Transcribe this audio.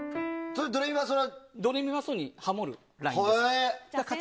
ドレミファソにハモるラインです。